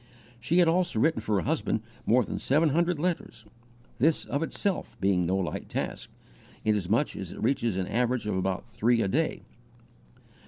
She had also written for her husband more than seven hundred letters, this of itself being no light task, inasmuch as it reaches an average of about three a day.